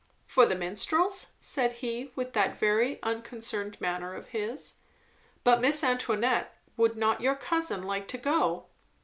"For the Minstrels?" said he, with that very unconcerned manner of his. "But, Miss Antoinette, would not your cousin like to go?"